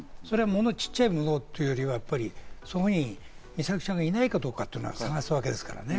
ちっちゃいものというよりは、そこに美咲ちゃんがいないかどうかを捜すわけですからね。